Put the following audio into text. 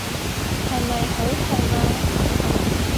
係咪好痛啊？